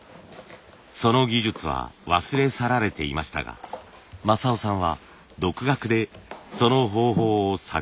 その技術は忘れ去られていましたが正男さんは独学でその方法を探り当てました。